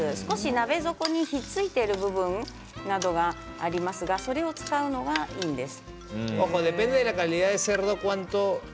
鍋底に少しひっついている部分がありますがそれを使うのがいいんです。